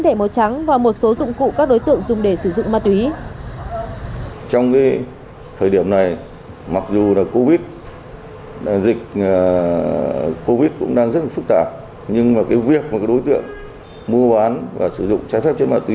trong đó có một đối tượng dùng nilon chứa tinh thể màu trắng và một số dụng cụ các đối tượng dùng để sử dụng ma túy